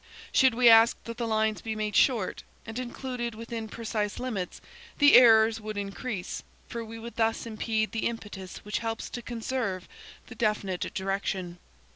Should we ask that the lines be made short, and included within precise limits, the errors would increase, for we would thus impede the impetus which helps to conserve the definite direction.